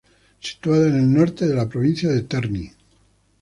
Situada en el norte de la provincia de Terni.